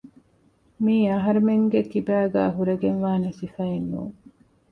މިއީ އަހަރެމެންގެކިބާގައި ހުރެގެންވާނެ ސިފައެއްނޫން